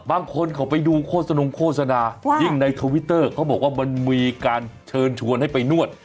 บางคนเขาไปดูโฆษณงโฆษณายิ่งในทวิตเตอร์เขาบอกว่ามันมีการเชิญชวนให้ไปนวด